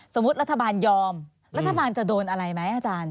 รัฐบาลยอมรัฐบาลจะโดนอะไรไหมอาจารย์